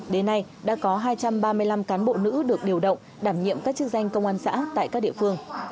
đến nay đã có hai trăm ba mươi năm cán bộ nữ được điều động đảm nhiệm các chức danh công an xã tại các địa phương